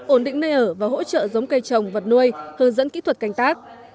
ổn định nơi ở và hỗ trợ giống cây trồng vật nuôi hướng dẫn kỹ thuật canh tác